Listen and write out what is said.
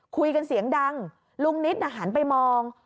คุยกันเสียงดังลุงนิดหันไปมอง